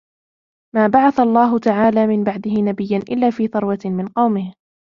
مَا بَعَثَ اللَّهُ تَعَالَى مِنْ بَعْدِهِ نَبِيًّا إلَّا فِي ثَرْوَةٍ مِنْ قَوْمِهِ